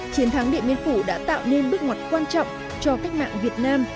chiến thắng điện biên phủ đã tạo nên bước ngoặt quan trọng cho cách mạng việt nam